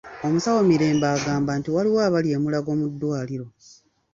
Omusawo Mirembe agamba nti waliwo abali e Mulago mu ddwaliro.